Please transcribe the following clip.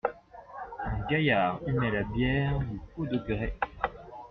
Un gaillard humait la bière du pot de grès.